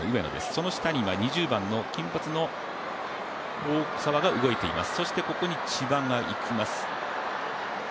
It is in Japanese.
その下には２０番の金髪の大澤が動いています。